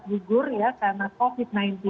digur karena covid sembilan belas